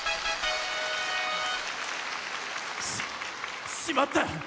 ししまった。